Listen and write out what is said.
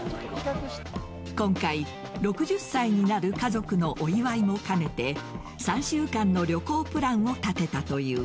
今回、６０歳になる家族のお祝いも兼ねて３週間の旅行プランを立てたという。